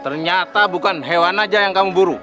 ternyata bukan hewan aja yang kamu buru